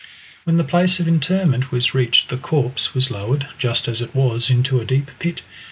When the place of interment was reached the corpse was lowered, just as it was, into a deep pit.